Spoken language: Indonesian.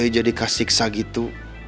jadi kasih ksat gitu